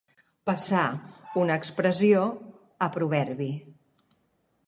Passar, una expressió, a proverbi.